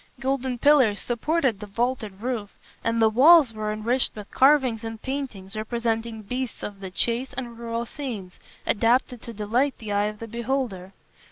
Golden pillars supported the vaulted roof, and the walls were enriched with carvings and paintings representing beasts of the chase and rural scenes, adapted to delight the eye of the beholder.